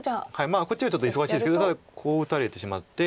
こっちがちょっと忙しいですけどこう打たれてしまって。